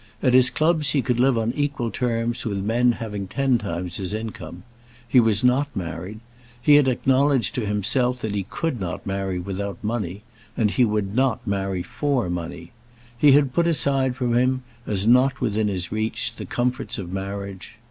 At his clubs he could live on equal terms with men having ten times his income. He was not married. He had acknowledged to himself that he could not marry without money; and he would not marry for money. He had put aside from him, as not within his reach, the comforts of marriage.